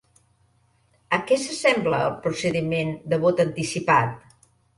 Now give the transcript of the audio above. A què s'assembla el procediment de vot anticipat?